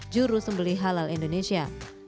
juru sembeli halal indonesia